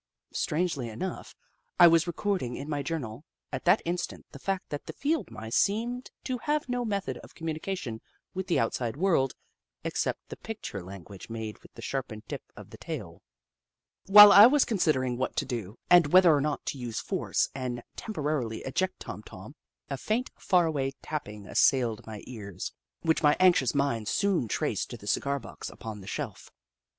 Strangely enough, I was recording in my journal at that instant the fact that the Field Mice seemed to have no method of commun ication with the outside world, except the pic ture language made with the sharpened tip of the tail. While I was considering what to do. Little Upsidaisi 17 and whether or not to use force and tempor arily eject Tom Tom, a faint, far away tapping assailed my ears, which my anxious mind soon traced to the cigar box upon the shelf.